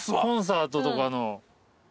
コンサートとかの。